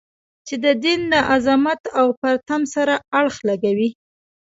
چې د دین له عظمت او پرتم سره اړخ لګوي.